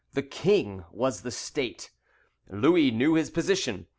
The King was the State. Louis knew his position.